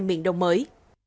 miền đông mới